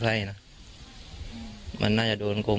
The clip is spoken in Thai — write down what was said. มีอะไรอยากจะบอกกับพ่อ